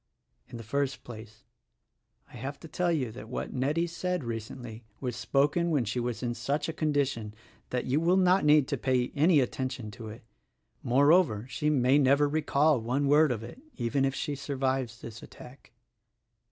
In the first place, I have to tell you that what Nettie said recently was spoken when she was in such a condition that you will not need to pay any attention to it. Moreover, she may never recall one word of it — even if she survives this attack."